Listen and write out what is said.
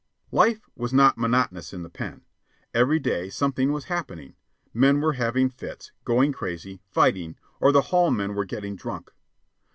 Life was not monotonous in the Pen. Every day something was happening: men were having fits, going crazy, fighting, or the hall men were getting drunk.